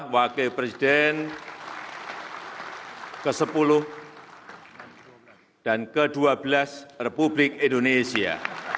wakil presiden ke sepuluh dan ke dua belas republik indonesia